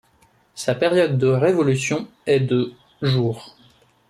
Sa période de révolution est de jours.